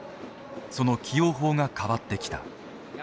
その起用法が変わってきた。